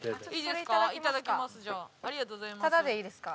いいですか？